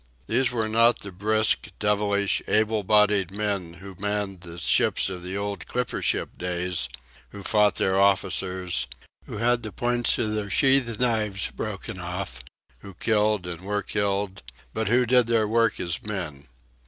These were not the brisk, devilish, able bodied men who manned the ships of the old clipper ship days; who fought their officers, who had the points of their sheath knives broken off, who killed and were killed, but who did their work as men.